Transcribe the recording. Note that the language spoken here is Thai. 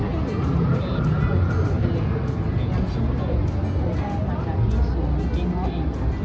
แต่ว่าเราพยายามจะชูมี